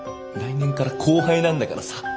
来年から後輩なんだからさ。